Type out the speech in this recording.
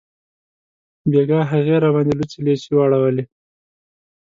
بیګاه هغې راباندې لوڅې لیچې واړولې